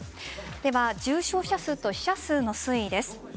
では重症者数と死者数の推移です。